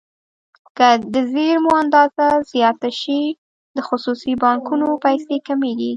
که د زېرمو اندازه زیاته شي د خصوصي بانکونو پیسې کمیږي.